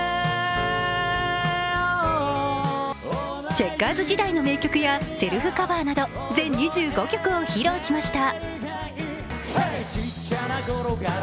チェッカーズ時代の名曲やセルフカバーなど全２５曲を披露しました。